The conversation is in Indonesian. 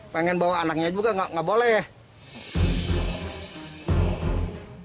pengen bawa anaknya juga nggak boleh